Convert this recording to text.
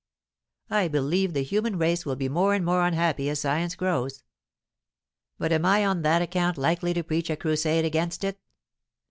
I believe the human race will be more and more unhappy as science grows. But am I on that account likely to preach a crusade against it?